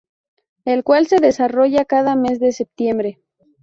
El cual se desarrolla cada mes de septiembre.